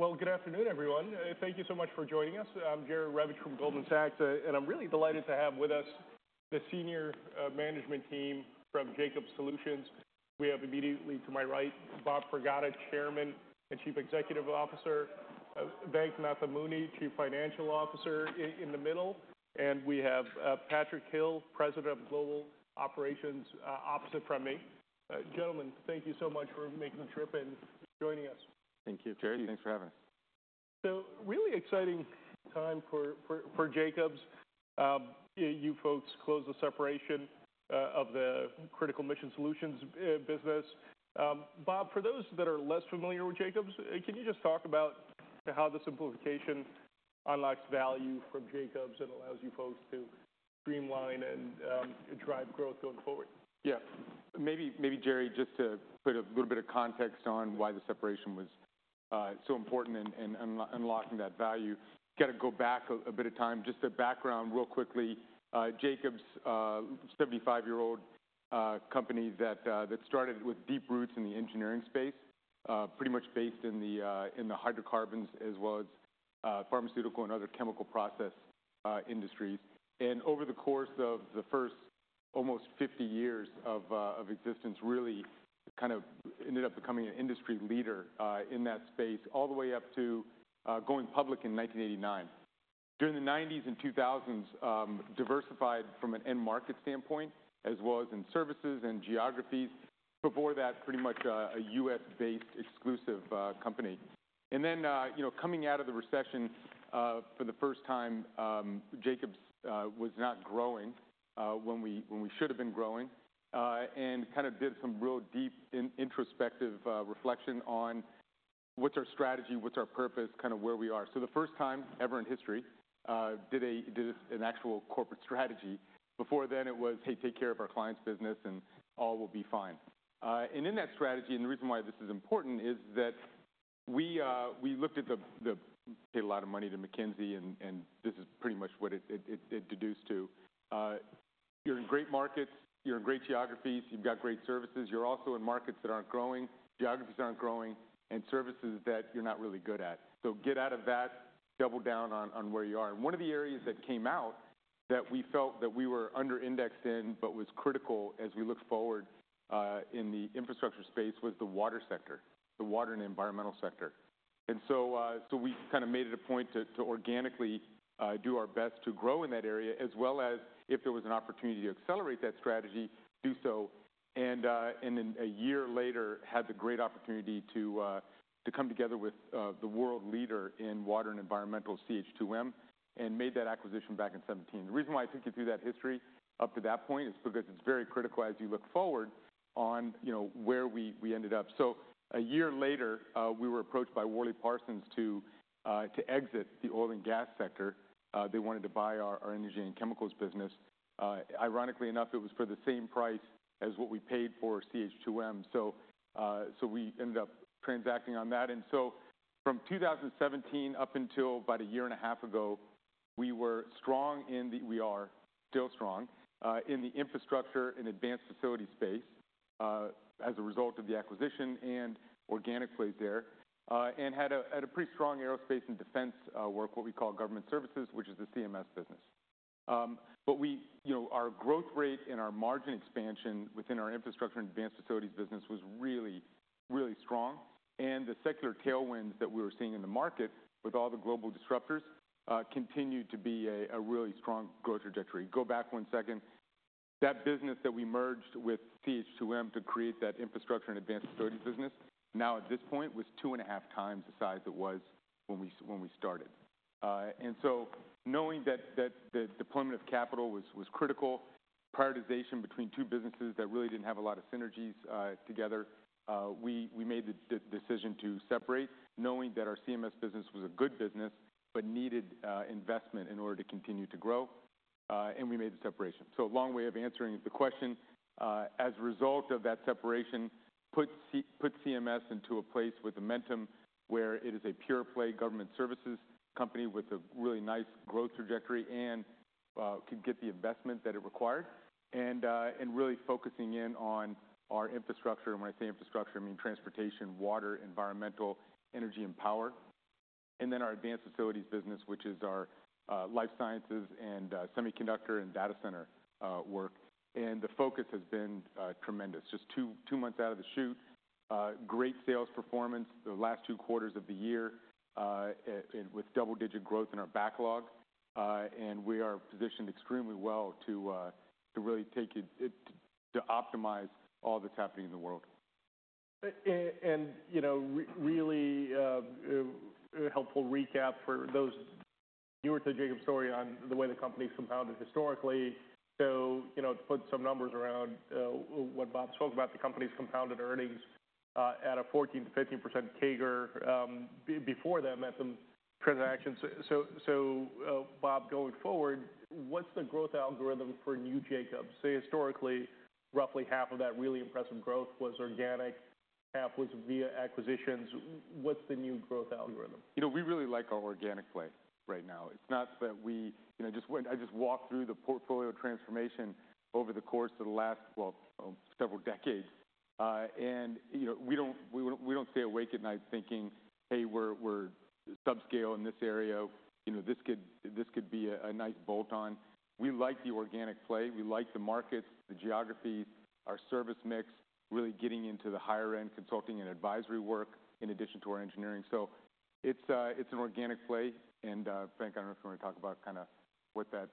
Well, good afternoon, everyone. Thank you so much for joining us. I'm Jerry Revich from Goldman Sachs, and I'm really delighted to have with us the senior management team from Jacobs Solutions. We have immediately to my right, Bob Pragada, Chairman and Chief Executive Officer, Venk Nathamuni, Chief Financial Officer in the middle, and we have, Patrick Hill, President of Global Operations, opposite from me. Gentlemen, thank you so much for making the trip and joining us. Thank you, Jerry. Thanks for having us. It's a really exciting time for Jacobs. You folks closed the separation of the Critical Mission Solutions business. Bob, for those that are less familiar with Jacobs, can you just talk about how the simplification unlocks value from Jacobs and allows you folks to streamline and drive growth going forward? Yeah. Maybe, Jerry, just to put a little bit of context on why the separation was so important in unlocking that value. Gotta go back a bit of time. Just the background real quickly. Jacobs, 75-year-old company that started with deep roots in the engineering space, pretty much based in the hydrocarbons as well as pharmaceutical and other chemical process industries. And over the course of the first almost 50 years of existence, really kind of ended up becoming an industry leader in that space all the way up to going public in 1989. During the 1990s and 2000s, diversified from an end market standpoint as well as in services and geographies. Before that, pretty much a U.S.-based exclusive company. Coming out of the recession, for the first time, Jacobs was not growing, when we should have been growing, and kind of did some real deep introspective reflection on what's our strategy, what's our purpose, kind of where we are. The first time ever in history, did an actual corporate strategy. Before then, it was, "Hey, take care of our client's business and all will be fine," and in that strategy, and the reason why this is important is that we paid a lot of money to McKinsey, and this is pretty much what it deduced to. You're in great markets, you're in great geographies, you've got great services, you're also in markets that aren't growing, geographies aren't growing, and services that you're not really good at. Get out of that, double down on, on where you are. One of the areas that came out that we felt that we were under-indexed in but was critical as we looked forward, in the infrastructure space was the water sector, the water and environmental sector. We kind of made it a point to, to organically, do our best to grow in that area as well as, if there was an opportunity to accelerate that strategy, do so. And then a year later had the great opportunity to, to come together with, the world leader in water and environmental, CH2M, and made that acquisition back in 2017. The reason why I took you through that history up to that point is because it's very critical as you look forward on, you know, where we, we ended up. A year later, we were approached by WorleyParsons to exit the oil and gas sector. They wanted to buy our energy and chemicals business. Ironically enough, it was for the same price as what we paid for CH2M. So we ended up transacting on that. From 2017 up until about a year and a half ago, we were strong in the, we are still strong, in the infrastructure and advanced facility space, as a result of the acquisition and organically there, and had a pretty strong aerospace and defense work, what we call government services, which is the CMS business. But we, you know, our growth rate and our margin expansion within our infrastructure and advanced facilities business was really, really strong. The secular tailwinds that we were seeing in the market with all the global disruptors continued to be a really strong growth trajectory. Go back one second. That business that we merged with CH2M to create that infrastructure and advanced facilities business now at this point was two and a half times the size it was when we started. Knowing that the deployment of capital was critical, prioritization between two businesses that really didn't have a lot of synergies together, we made the decision to separate knowing that our CMS business was a good business but needed investment in order to continue to grow. We made the separation. A long way of answering the question, as a result of that separation put CMS into a place with momentum where it is a pure play government services company with a really nice growth trajectory and could get the investment that it required, and really focusing in on our infrastructure. When I say infrastructure, I mean transportation, water, environmental, energy, and power. Then our advanced facilities business, which is our life sciences and semiconductor and data center work. The focus has been tremendous. Just two months out of the chute, great sales performance the last two quarters of the year, and with double-digit growth in our backlog. We are positioned extremely well to really take it to optimize all that's happening in the world. You know, really helpful recap for those newer to the Jacobs story on the way the company's compounded historically. You know, to put some numbers around what Bob spoke about, the company's compounded earnings at a 14%-15% CAGR before that M&A transactions. Bob, going forward, what's the growth algorithm for new Jacobs? Historically, roughly half of that really impressive growth was organic, half was via acquisitions. What's the new growth algorithm? You know, we really like our organic play right now. It's not that we, you know, just went—I just walked through the portfolio transformation over the course of the last, well, several decades. We don't stay awake at night thinking, "Hey, we're subscale in this area. You know, this could be a nice bolt-on." We like the organic play. We like the markets, the geographies, our service mix, really getting into the higher-end consulting and advisory work in addition to our engineering. It's an organic play. And, Venk, I don't know if you wanna talk about kinda what that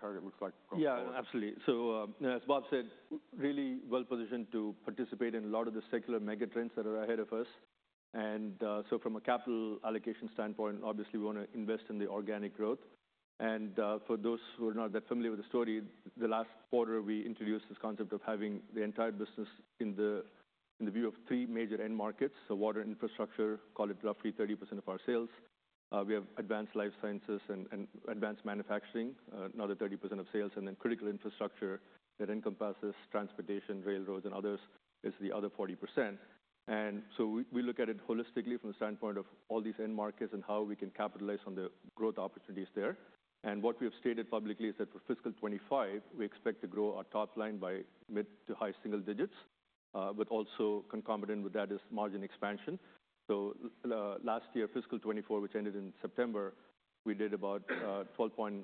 target looks like going forward. Yeah, absolutely. As Bob said, really well-positioned to participate in a lot of the secular mega-trends that are ahead of us, and so from a capital allocation standpoint, obviously, we wanna invest in the organic growth. For those who are not that familiar with the story, the last quarter, we introduced this concept of having the entire business in the view of three major end markets: so water and infrastructure, call it roughly 30% of our sales. We have advanced life sciences and advanced manufacturing, another 30% of sales. Then critical infrastructure that encompasses transportation, railroads, and others is the other 40%. We look at it holistically from the standpoint of all these end markets and how we can capitalize on the growth opportunities there. What we have stated publicly is that for fiscal 2025, we expect to grow our top line by mid to high single digits, but also concomitant with that is margin expansion. So, last year, fiscal 2024, which ended in September, we did about 12.8%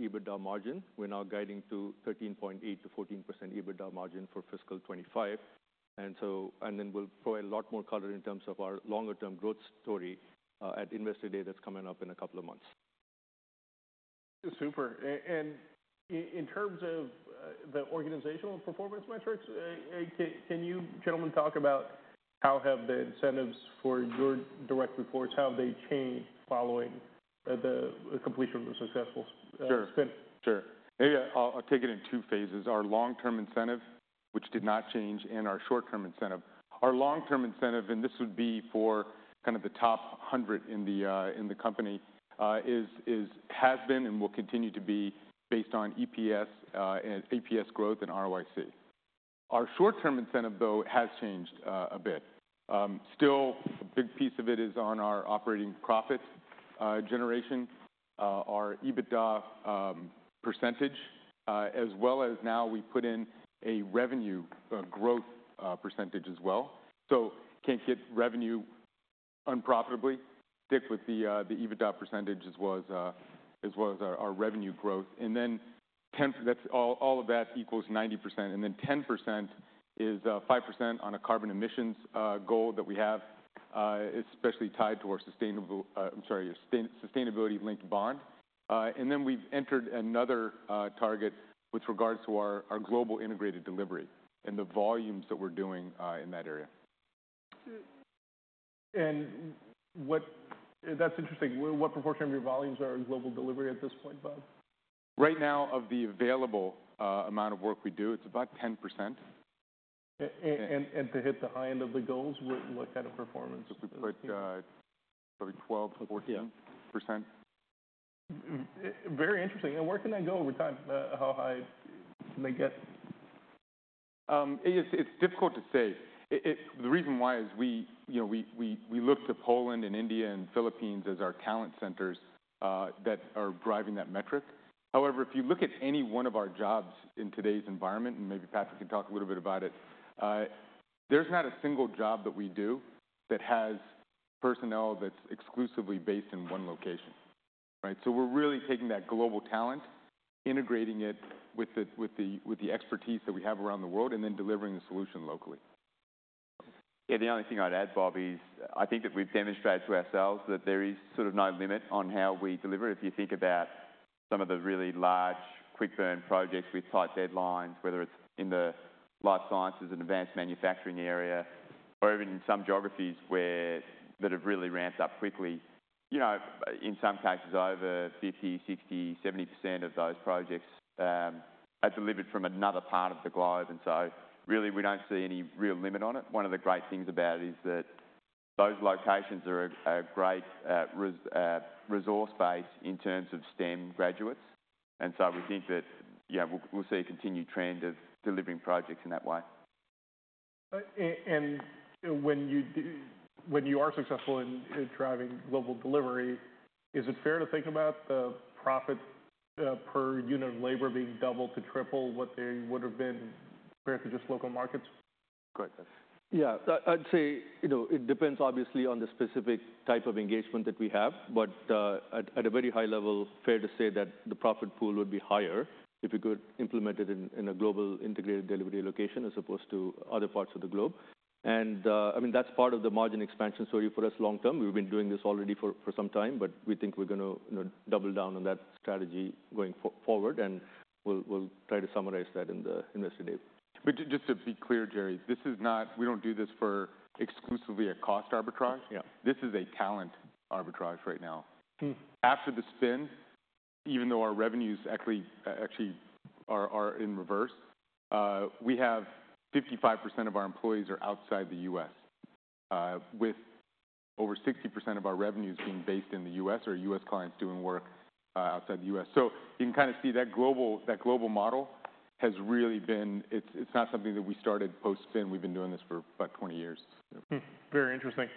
EBITDA margin. We're now guiding to 13.8%-14% EBITDA margin for fiscal 2025. Then we'll provide a lot more color in terms of our longer-term growth story at Investor Day that's coming up in a couple of months. Super. In terms of the organizational performance metrics, can you gentlemen talk about how the incentives for your direct reports have changed following the completion of the successful spin? Sure. Sure. Yeah, yeah. I'll take it in two phases. Our long-term incentive, which did not change, and our short-term incentive. Our long-term incentive, and this would be for kind of the top 100 in the company, has been and will continue to be based on EPS, and [Adjusted EPS] growth and ROIC. Our short-term incentive, though, has changed a bit. Still, a big piece of it is on our operating profit generation, our EBITDA percentage, as well as now we put in a revenue growth percentage as well. So can't get revenue unprofitably. Stick with the EBITDA percentage as well as our revenue growth. Then 10%, that's all of that equals 90%. And then 10% is 5% on a carbon emissions goal that we have, especially tied to our sustainable. I'm sorry, your sustainability-linked bond. and then we've entered another target with regards to our Global Integrated Delivery and the volumes that we're doing in that area. That's interesting. What proportion of your volumes are global delivery at this point, Bob? Right now, of the available amount of work we do, it's about 10%. To hit the high end of the goals, what kind of performance? If we put, probably 12%-14%. Yeah. Percent. Very interesting. And where can that go over time? How high can they get? It's difficult to say. It's the reason why is we, we look to Poland and India and Philippines as our talent centers that are driving that metric. However, if you look at any one of our jobs in today's environment, and maybe Patrick can talk a little bit about it, there's not a single job that we do that has personnel that's exclusively based in one location, right? So we're really taking that global talent, integrating it with the expertise that we have around the world, and then delivering the solution locally. Yeah, the only thing I'd add, Bob, is I think that we've demonstrated to ourselves that there is sort of no limit on how we deliver. If you think about some of the really large quick-burn projects with tight deadlines, whether it's in the life sciences and advanced manufacturing area, or even in some geographies where that have really ramped up quickly, you know, in some cases, over 50%, 60%, 70% of those projects are delivered from another part of the globe. And so really, we don't see any real limit on it. One of the great things about it is that those locations are a great resource base in terms of STEM graduates. And so we think that, you know, we'll see a continued trend of delivering projects in that way. When you are successful in driving global delivery, is it fair to think about the profit per unit of labor being double to triple what they would have been compared to just local markets? Good. Yeah. I'd say, it depends obviously on the specific type of engagement that we have. But at a very high level, fair to say that the profit pool would be higher if we could implement it in a global integrated delivery location as opposed to other parts of the globe. I mean, that's part of the margin expansion story for us long-term. We've been doing this already for some time, but we think we're gonna, you know, double down on that strategy going forward. We'll try to summarize that in the Investor Day. Just to be clear, Jerry, this is not. We don't do this exclusively for a cost arbitrage. Yeah. This is a talent arbitrage right now. After the spin, even though our revenues actually are in reverse, we have 55% of our employees are outside the U.S., with over 60% of our revenues being based in the U.S. or U.S. clients doing work outside the U.S. You can kinda see that global model has really been. It's not something that we started post-spin. We've been doing this for about 20 years. Very interesting.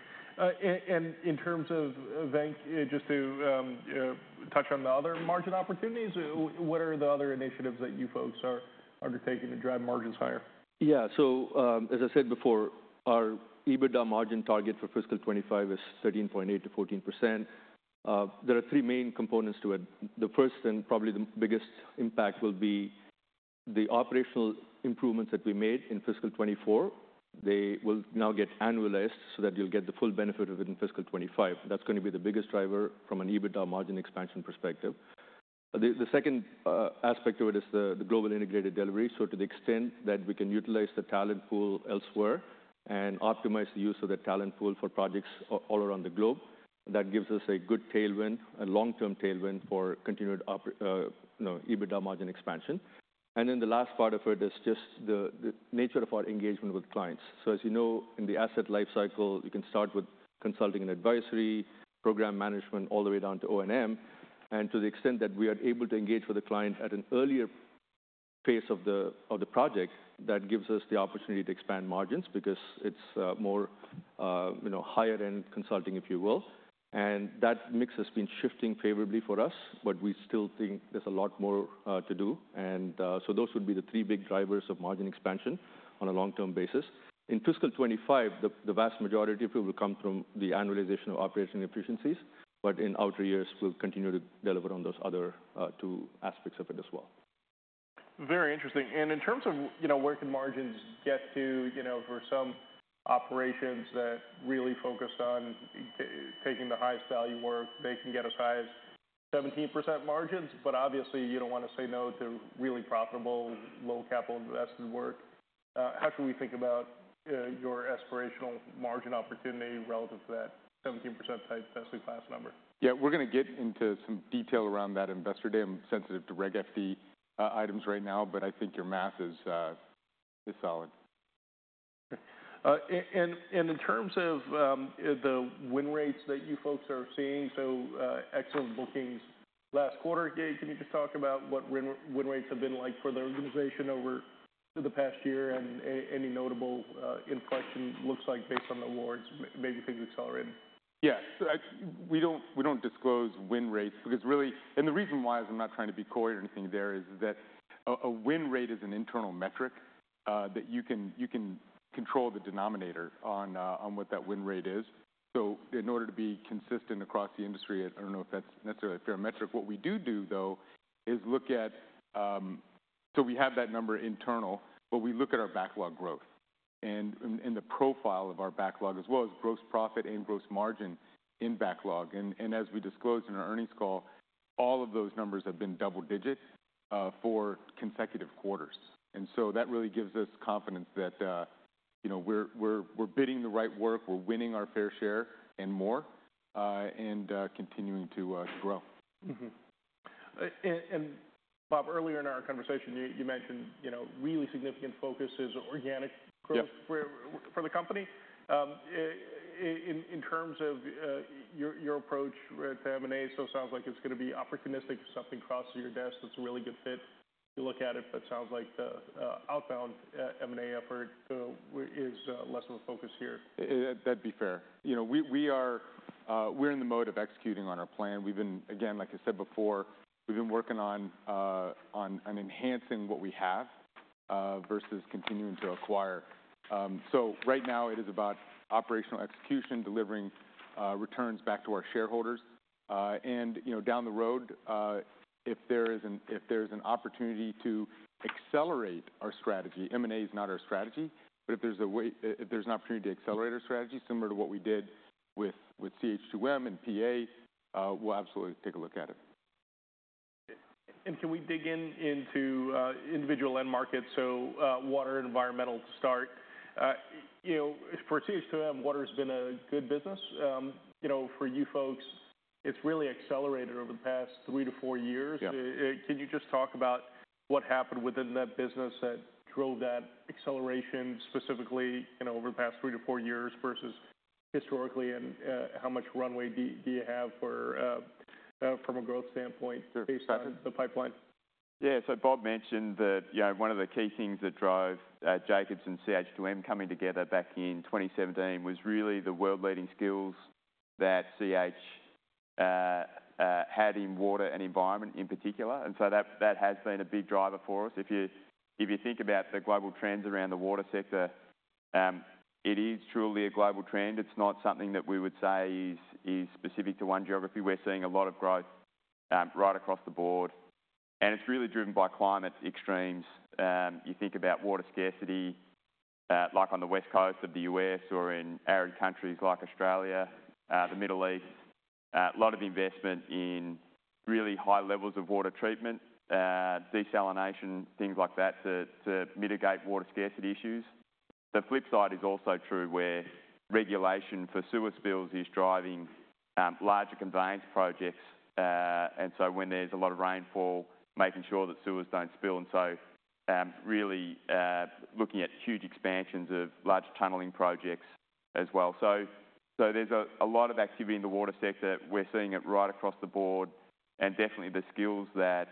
In terms of, Venk, just to touch on the other margin opportunities, what are the other initiatives that you folks are undertaking to drive margins higher? Yeah. As I said before, our EBITDA margin target for fiscal 2025 is 13.8%-14%. There are three main components to it. The first and probably the biggest impact will be the operational improvements that we made in fiscal 2024. They will now get annualized so that you'll get the full benefit of it in fiscal 2025. That's gonna be the biggest driver from an EBITDA margin expansion perspective. The second aspect of it is the Global Integrated Delivery. So to the extent that we can utilize the talent pool elsewhere and optimize the use of that talent pool for projects all around the globe, that gives us a good tailwind, a long-term tailwind for continued, you know, EBITDA margin expansion. Then the last part of it is just the nature of our engagement with clients. In the asset life cycle, you can start with consulting and advisory, program management, all the way down to O&M. To the extent that we are able to engage with a client at an earlier phase of the project, that gives us the opportunity to expand margins because it's more, you know, higher-end consulting, if you will. That mix has been shifting favorably for us, but we still think there's a lot more to do. Those would be the three big drivers of margin expansion on a long-term basis. In fiscal 2025, the vast majority of it will come from the annualization of operating efficiencies. In outer years, we'll continue to deliver on those other two aspects of it as well. Very interesting. And in terms of, you know, where can margins get to, you know, for some operations that really focus on taking the highest value work, they can get as high as 17% margins. Obviously, you don't wanna say no to really profitable low-capital invested work. How should we think about, your aspirational margin opportunity relative to that 17% type S&E class number? Yeah, we're gonna get into some detail around that Investor Day. I'm sensitive to Reg FD items right now, but I think your math is solid. In terms of the win rates that you folks are seeing, so excellent bookings last quarter, hey, can you just talk about what win rates have been like for the organization over the past year and any notable inflection looks like based on the awards, maybe things accelerating? Yeah. We don't disclose win rates because really, and the reason why is I'm not trying to be coy or anything. There is that a win rate is an internal metric that you can control the denominator on, on what that win rate is. In order to be consistent across the industry, I don't know if that's necessarily a fair metric. What we do do, though, is look at, so we have that number internal, but we look at our backlog growth and the profile of our backlog as well as gross profit and gross margin in backlog. As we disclosed in our earnings call, all of those numbers have been double-digit for consecutive quarters. That really gives us confidence that we're bidding the right work. We're winning our fair share and more, and continuing to grow. Bob, earlier in our conversation, you mentioned, you know, really significant focus is organic growth. Yes. For the company. In terms of your approach with M&A, so it sounds like it's gonna be opportunistic if something crosses your desk that's a really good fit to look at it. But it sounds like the outbound M&A effort is less of a focus here. That'd be fair. We are, we're in the mode of executing on our plan. We've been, again, like I said before, working on enhancing what we have, versus continuing to acquire. Right now, it is about operational execution, delivering returns back to our shareholders. Down the road, if there's an opportunity to accelerate our strategy, M&A is not our strategy, but if there's a way, If there's an opportunity to accelerate our strategy similar to what we did with CH2M and PA, we'll absolutely take a look at it. Can we dig into individual end markets? So, water and environmental to start. For CH2M, water has been a good business. You know, for you folks, it's really accelerated over the past three to four years. Yeah. Can you just talk about what happened within that business that drove that acceleration specifically, you know, over the past three to four years versus historically, and how much runway do you have for, from a growth standpoint, based on the pipeline? Bob mentioned that, you know, one of the key things that drove Jacobs and CH2M coming together back in 2017 was really the world-leading skills that CH2M had in water and environment in particular, and so that has been a big driver for us. If you think about the global trends around the water sector, it is truly a global trend. It's not something that we would say is specific to one geography. We're seeing a lot of growth right across the board. And it's really driven by climate extremes. Think about water scarcity, like on the West Coast of the U.S. or in arid countries like Australia, the Middle East, a lot of investment in really high levels of water treatment, desalination, things like that to mitigate water scarcity issues. The flip side is also true where regulation for sewer spills is driving larger conveyance projects, and so when there's a lot of rainfall, making sure that sewers don't spill. Really, looking at huge expansions of large tunneling projects as well. There's a lot of activity in the water sector. We're seeing it right across the board. Definitely the skills that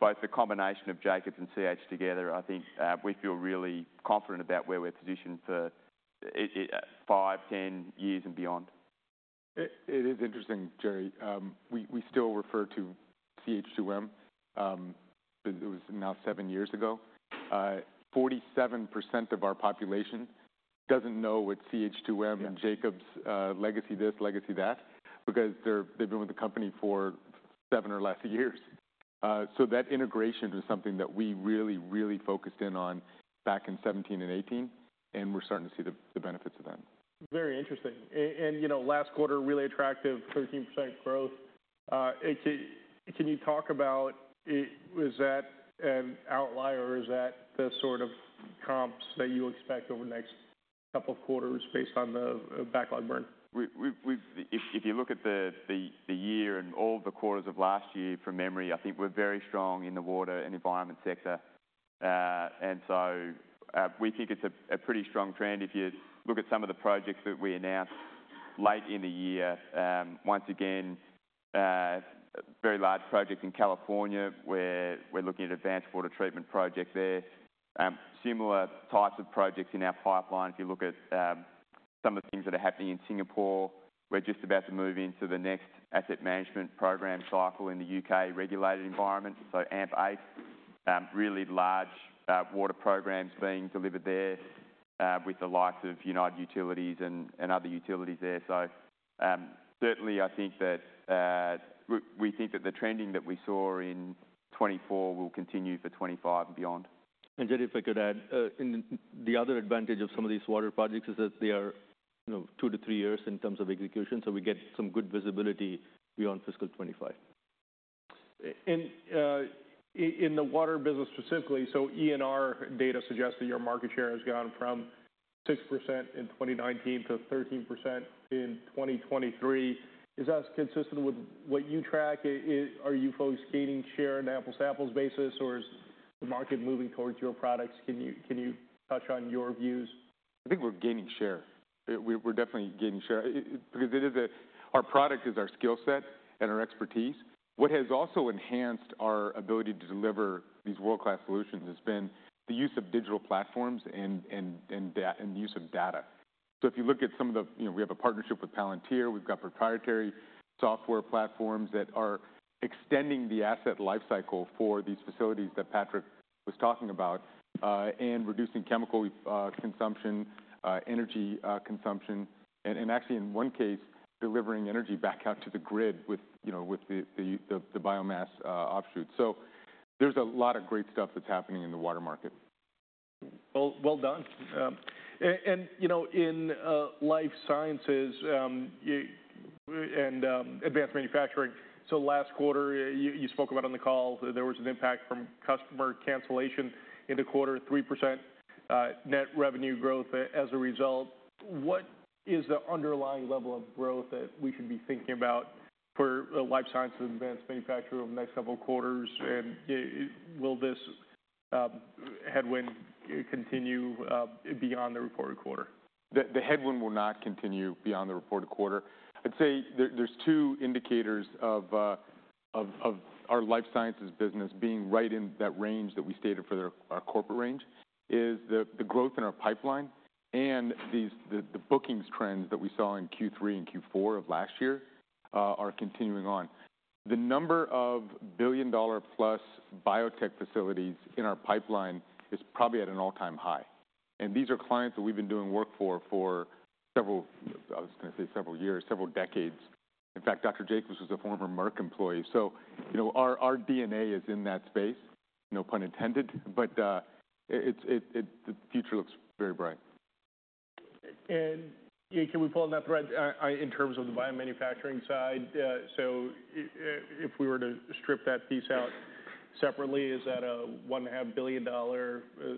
both the combination of Jacobs and CH together, I think, we feel really confident about where we're positioned for in five, 10 years and beyond. It is interesting, Jerry. We still refer to CH2M, but it was now seven years ago. 47% of our population doesn't know what CH2M and Jacobs, Legacy This, Legacy That because they've been with the company for seven or less years, so that integration was something that we really, really focused in on back in 2017 and 2018, and we're starting to see the benefits of that. Very interesting and, you know, last quarter, really attractive 13% growth. Can you talk about it? Was that an outlier or is that the sort of comps that you expect over the next couple of quarters based on the backlog burn? We've if you look at the year and all the quarters of last year from memory, I think we're very strong in the water and environment sector. And so, we think it's a pretty strong trend if you look at some of the projects that we announced late in the year. Once again, very large project in California where we're looking at advanced water treatment project there. Similar types of projects in our pipeline. If you look at some of the things that are happening in Singapore, we're just about to move into the next asset management program cycle in the U.K. regulated environment. So AMP8, really large water programs being delivered there, with the likes of United Utilities and other utilities there. Certainly, I think that we think that the trending that we saw in 2024 will continue for 2025 and beyond. Jerry, if I could add, one other advantage of some of these water projects is that they are, you know, two to three years in terms of execution. We get some good visibility beyond fiscal 2025. In the water business specifically, so ENR data suggests that your market share has gone from 6% in 2019 to 13% in 2023. Is that consistent with what you track? Is, are you folks gaining share on an apples-to-apples basis, or is the market moving towards your products? Can you touch on your views? I think we're gaining share. We're definitely gaining share. It's because our product is our skill set and our expertise. What has also enhanced our ability to deliver these world-class solutions has been the use of digital platforms and the use of data. If you look at some of the, we have a partnership with Palantir. We've got proprietary software platforms that are extending the asset lifecycle for these facilities that Patrick was talking about, and reducing chemical consumption, energy consumption, and actually in one case, delivering energy back out to the grid with, you know, the biomass offshoots. So there's a lot of great stuff that's happening in the water market. Well done. And you know, in life sciences and advanced manufacturing, so last quarter, you spoke about on the call, there was an impact from customer cancellation in the quarter, 3% net revenue growth as a result. What is the underlying level of growth that we should be thinking about for life sciences and advanced manufacturing over the next couple of quarters? Will this headwind continue beyond the reported quarter? The headwind will not continue beyond the reported quarter. I'd say there's two indicators of our life sciences business being right in that range that we stated for our corporate range is the growth in our pipeline and the bookings trends that we saw in Q3 and Q4 of last year are continuing on. The number of billion-dollar-plus biotech facilities in our pipeline is probably at an all-time high. These are clients that we've been doing work for several—I was gonna say several years, several decades. In fact, Dr. Jacobs was a former Merck employee. Our DNA is in that space, no pun intended. But it's the future looks very bright. Can we pull on that thread, in terms of the biomanufacturing side? So if we were to strip that piece out separately, is that a $1.5 billion, sort of? Yeah.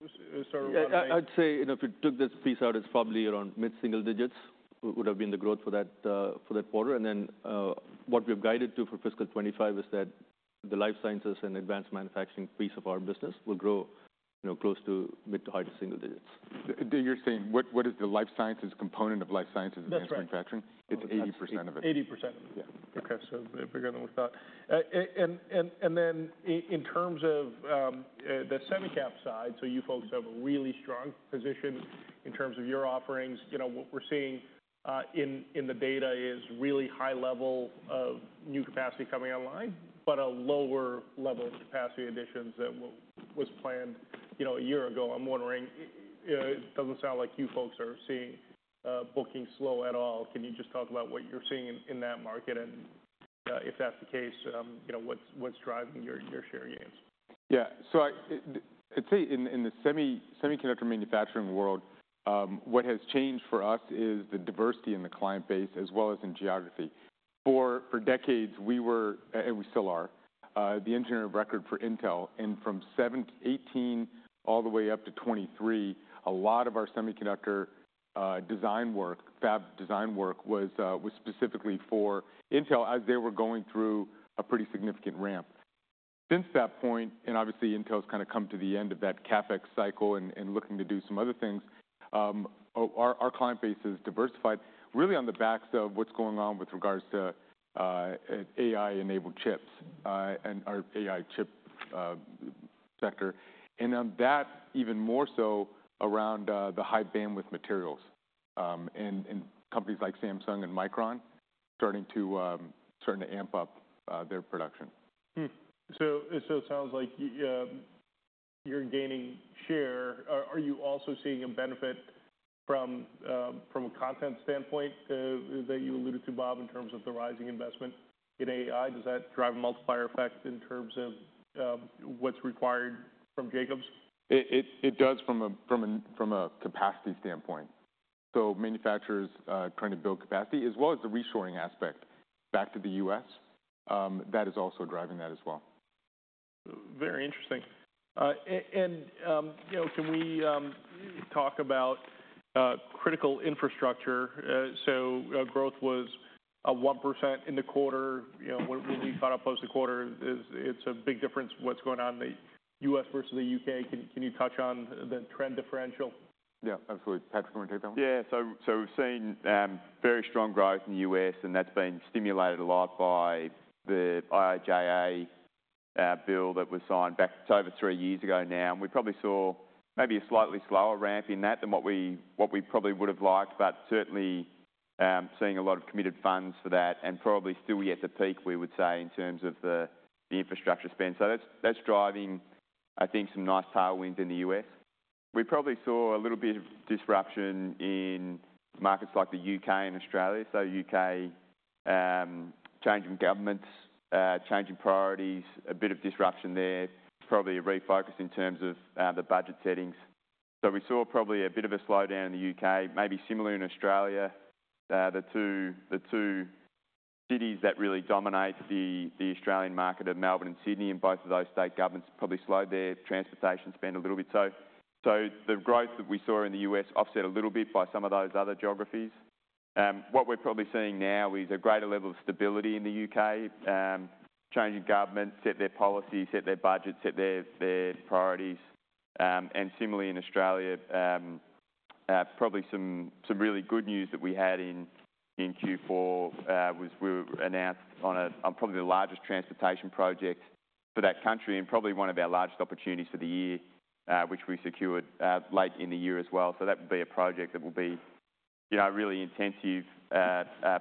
I'd say, you know, if you took this piece out, it's probably around mid-single digits would have been the growth for that quarter. And then, what we've guided to for fiscal 2025 is that the life sciences and advanced manufacturing piece of our business will grow, close to mid- to high-single digits. Do you understand what, what is the life sciences component of life sciences advanced manufacturing? That's right. It's 80% of it. 80% of it. Yeah. Okay. So if we're going with that, and then in terms of the semicap side, so you folks have a really strong position in terms of your offerings. You know, what we're seeing in the data is really high level of new capacity coming online, but a lower level of capacity additions than what was planned, you know, a year ago. I'm wondering, it doesn't sound like you folks are seeing bookings slow at all. Can you just talk about what you're seeing in that market and, if that's the case, you know, what's driving your share gains? Yeah. I'd say in the semiconductor manufacturing world, what has changed for us is the diversity in the client base as well as in geography. For decades, we were, and we still are, the engineer of record for Intel. From 2017 all the way up to 2023, a lot of our semiconductor design work, fab design work was specifically for Intel as they were going through a pretty significant ramp. Since that point, and obviously Intel's kind of come to the end of that CapEx cycle and looking to do some other things, our client base has diversified really on the backs of what's going on with regards to AI-enabled chips, and our AI chip sector. On that, even more so around the high bandwidth memory, and companies like Samsung and Micron starting to amp up their production. It sounds like you're gaining share. Are you also seeing a benefit from a content standpoint that you alluded to, Bob, in terms of the rising investment in AI? Does that drive a multiplier effect in terms of what's required from Jacobs? It does from a capacity standpoint, so manufacturers trying to build capacity as well as the reshoring aspect back to the U.S., that is also driving that as well. Very interesting. Can we talk about critical infrastructure? Growth was 1% in the quarter. What we thought up post-quarter is it's a big difference what's going on in the U.S. versus the U.K. Can you touch on the trend differential? Yeah. Absolutely. Patrick, you want to take that one? We've seen very strong growth in the U.S., and that's been stimulated a lot by the IIJA bill that was signed back. It's over three years ago now. We probably saw maybe a slightly slower ramp in that than what we probably would have liked. But certainly seeing a lot of committed funds for that and probably still yet to peak, we would say, in terms of the infrastructure spend. That's driving, I think, some nice tailwinds in the U.S. We probably saw a little bit of disruption in markets like the U.K. and Australia. U.K., changing governments, changing priorities, a bit of disruption there, probably a refocus in terms of the budget settings. We saw probably a bit of a slowdown in the U.K., maybe similar in Australia. The two cities that really dominate the Australian market are Melbourne and Sydney, and both of those state governments probably slowed their transportation spend a little bit. So the growth that we saw in the U.S. offset a little bit by some of those other geographies. What we're probably seeing now is a greater level of stability in the U.K., changing government set their policy, set their priorities, and similarly in Australia, probably some really good news that we had in Q4 was we were announced on a probably the largest transportation project for that country and probably one of our largest opportunities for the year, which we secured late in the year as well. That would be a project that will be, you know, a really intensive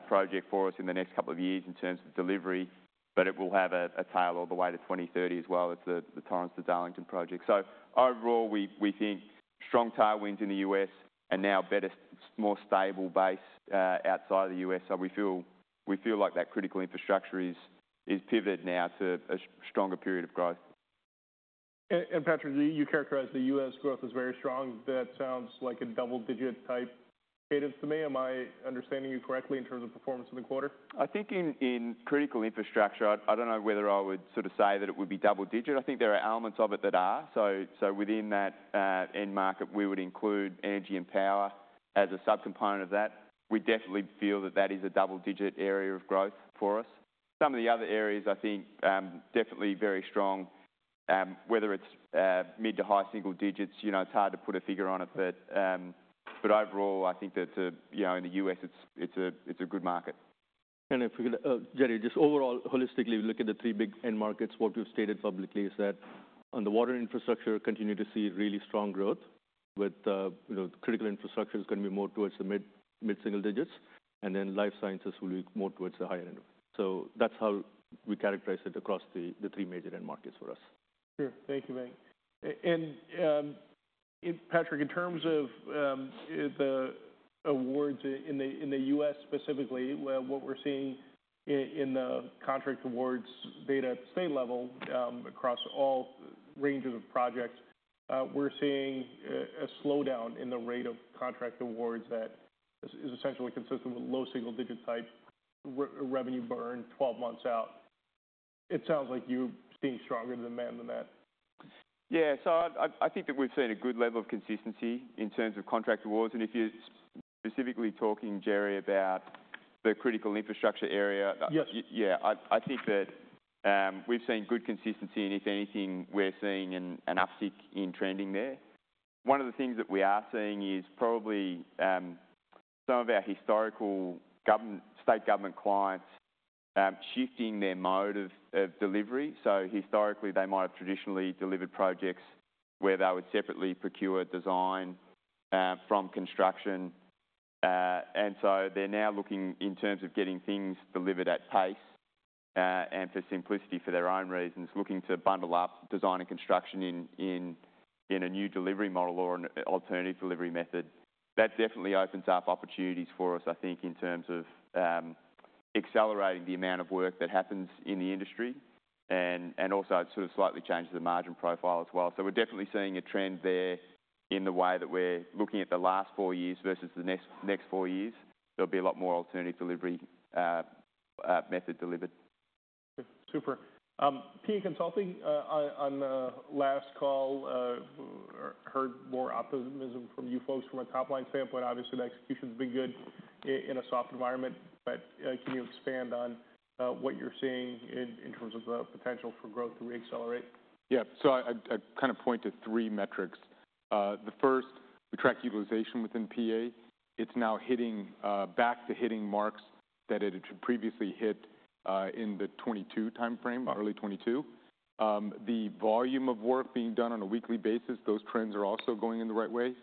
project for us in the next couple of years in terms of delivery, but it will have a tail all the way to 2030 as well as the Torrens to Darlington project. Overall, we think strong tailwinds in the U.S. and now better, more stable base, outside of the U.S. We feel like that critical infrastructure is pivoted now to a stronger period of growth. Patrick, you characterized the U.S. growth as very strong. That sounds like a double-digit type cadence to me. Am I understanding you correctly in terms of performance in the quarter? I think in critical infrastructure, I don't know whether I would sort of say that it would be double-digit. I think there are elements of it that are. So within that end market, we would include energy and power as a subcomponent of that. We definitely feel that that is a double-digit area of growth for us. Some of the other areas, I think, definitely very strong, whether it's mid to high single digits, you know, it's hard to put a figure on it. But overall, I think that, you know, in the U.S., it's a good market. If we could, Jerry, just overall, holistically, we look at the three big end markets. What we've stated publicly is that on the water infrastructure, continue to see really strong growth with, you know, critical infrastructure is going to be more towards the mid-single digits, and then life sciences will be more towards the higher end of it. That's how we characterize it across the three major end markets for us. Sure. Thank you, Mike. And, Patrick, in terms of the awards in the U.S. specifically, what we're seeing in the contract awards data at the state level, across all ranges of projects, we're seeing a slowdown in the rate of contract awards that is essentially consistent with low single-digit type revenue burn 12 months out. It sounds like you're seeing stronger demand than that. Yeah. I think that we've seen a good level of consistency in terms of contract awards. And if you're specifically talking, Jerry, about the critical infrastructure area. Yes. Yeah. I think that we've seen good consistency in. If anything, we're seeing an uptick in trending there. One of the things that we are seeing is probably some of our historical government state government clients shifting their mode of delivery. is hItorically, they might have traditionally delivered projects where they would separately procure design from construction. They're now looking in terms of getting things delivered at pace, and for simplicity, for their own reasons, looking to bundle up design and construction in a new delivery model or an alternative delivery method. That definitely opens up opportunities for us, I think, in terms of accelerating the amount of work that happens in the industry and also sort of slightly changes the margin profile as well. So we're definitely seeing a trend there in the way that we're looking at the last four years versus the next, next four years. There'll be a lot more alternative delivery method delivered. Super. PA Consulting, on last call, heard more optimism from you folks from a top-line standpoint. Obviously, the execution's been good in a soft environment. Can you expand on what you're seeing in terms of the potential for growth to re-accelerate? Point to three metrics. The first, we track utilization within PA. It's now hitting, back to hitting marks that it had previously hit, in the 2022 timeframe, early 2022. The volume of work being done on a weekly basis, those trends are also going in the right way.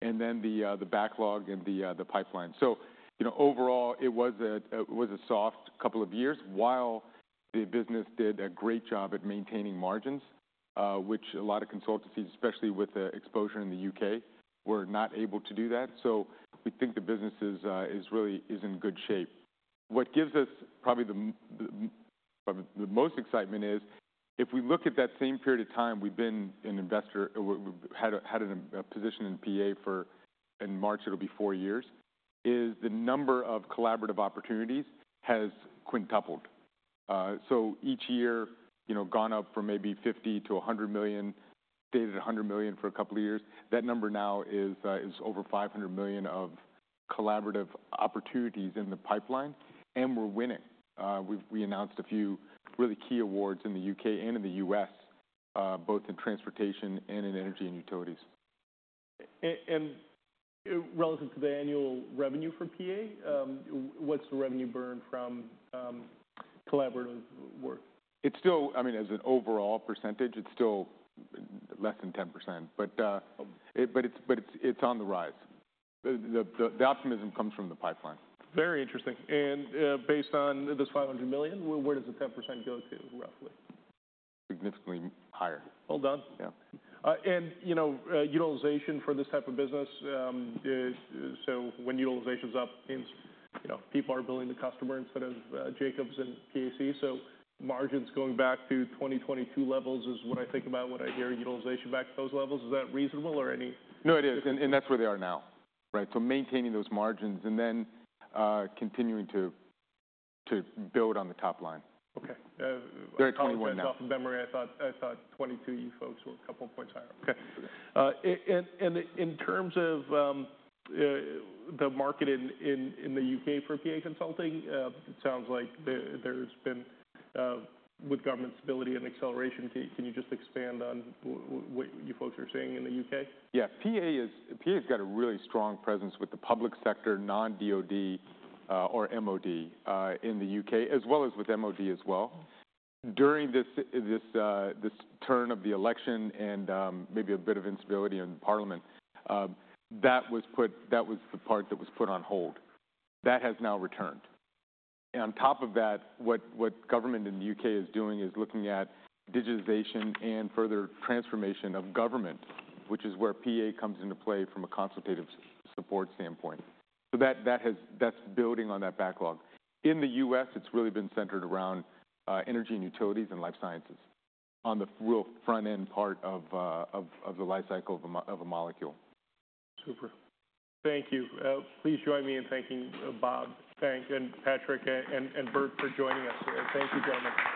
Then the backlog and the pipeline.overall, it was a soft couple of years while the business did a great job at maintaining margins, which a lot of consultancies, especially with exposure in the U.K., were not able to do that. We think the business is really in good shape. What gives us probably the most excitement is if we look at that same period of time. We've been an investor or we've had a position in PA. In March, it'll be four years. The number of collaborative opportunities has quintupled, so each year, you know, gone up from maybe $50 million-$100 million, stayed $100 million for a couple of years. That number now is over $500 million of collaborative opportunities in the pipeline. We're winning. We've announced a few really key awards in the U.K. and in the U.S., both in transportation and in energy and utilities. Relative to the annual revenue for PA, what's the revenue burn from collaborative work? It's still, I mean, as an overall percentage, it's still less than 10%. It's on the rise. The optimism comes from the pipeline. Very interesting. Based on this $500 million, where does the 10% go to roughly? Significantly higher. Hold on. Yeah. Utilization for this type of business, so when utilization's up means, you know, people are billing the customer instead of Jacobs and PAC. Margins going back to 2022 levels is what I think about when I hear utilization back to those levels. Is that reasonable or any? No, it is. That's where they are now, right? Maintaining those margins and then continuing to build on the top line. Okay. They're at 2021 now. Off of memory, I thought 2022, you folks were a couple of points higher. Okay, and in terms of the market in the U.K. for PA Consulting, it sounds like there's been, with government stability and acceleration. Can you just expand on what you folks are seeing in the U.K. Yeah. PA is PA's got a really strong presence with the public sector, non-DOD, or MOD, in the U.K., as well as with MOD as well. During this turn of the election and maybe a bit of instability in the parliament, that was the part that was put on hold. That has now returned. And on top of that, what government in the U.K. is doing is looking at digitization and further transformation of government, which is where PA comes into play from a consultative support standpoint. So that's building on that backlog. In the U.S., it's really been centered around energy and utilities and life sciences on the real front-end part of the life cycle of a molecule. Super. Thank you. Please join me in thanking Bob, Venk, and Patrick, and Bob] for joining us. Thank you, gentlemen.